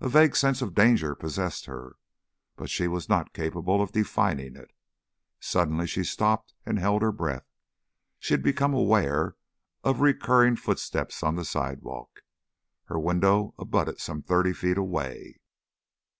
A vague sense of danger possessed her, but she was not capable of defining it. Suddenly she stopped and held her breath. She had become aware of a recurring footstep on the sidewalk. Her window abutted some thirty feet away.